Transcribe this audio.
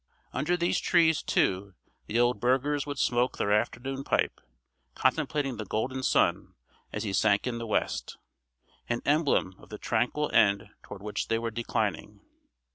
Under these trees, too, the old burghers would smoke their afternoon pipe, contemplating the golden sun as he sank in the west, an emblem of the tranquil end toward which they were declining.